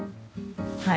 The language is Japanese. はい。